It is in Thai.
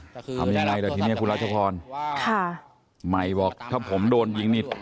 ทำยังไงแต่ทีเนี้ยคุณรัชพรค่ะใหม่บอกถ้าผมโดนยิงนี่